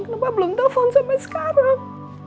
kenapa belum telpon sampai sekarang